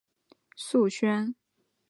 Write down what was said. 绘画师事狩野派的山本素轩。